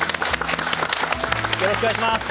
よろしくお願いします。